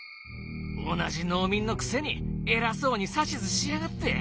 同じ農民のくせに偉そうに指図しやがって！